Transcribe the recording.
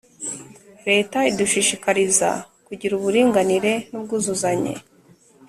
leta idushishikariza kugira uburinganire nubwuzuzanye